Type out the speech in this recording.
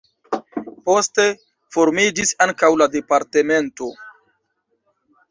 Poste formiĝis ankaŭ la departemento.